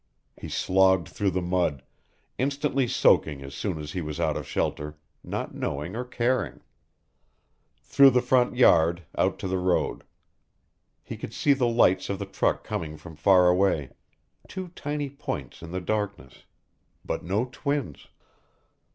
He slogged through the mud, instantly soaking as soon as he was out of shelter, not knowing or caring. Through the front yard, out to the road. He could see the lights of the truck coming from far away, two tiny points in the darkness. But no twins.